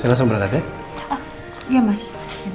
selesai berada ya iya mas